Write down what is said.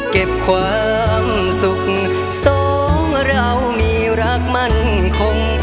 เก็บความสุขสองเรามีรักมั่นคง